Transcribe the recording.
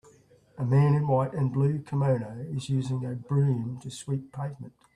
A man in a white and blue kimono is using a broom to sweep pavement.